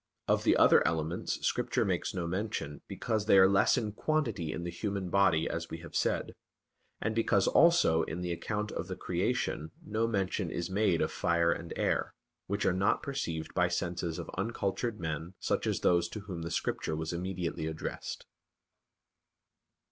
Of the other elements, Scripture makes no mention, because they are less in quantity in the human body, as we have said; and because also in the account of the Creation no mention is made of fire and air, which are not perceived by senses of uncultured men such as those to whom the Scripture was immediately addressed.